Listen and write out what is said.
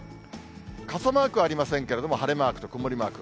傘マークはありませんけれども、晴れマークと曇りマーク。